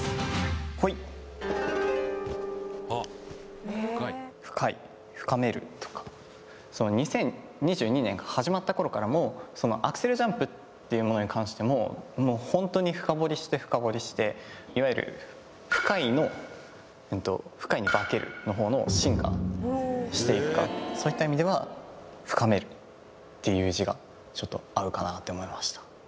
はい「深い」「深める」とかその２０２２年が始まった頃からもうアクセルジャンプっていうものに関してもうホントに深掘りして深掘りしていわゆる「深い」のうんと「深い」に「化ける」の方の「深化」していくかそういった意味では「深める」っていう字がちょっと合うかなって思いました